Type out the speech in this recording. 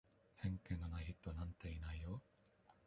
偏見のない人なんていないよ。